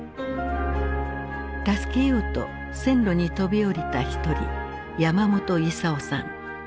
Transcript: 助けようと線路に飛び降りた一人山本勲さん。